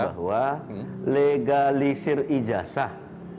bahwa legalisir ijazah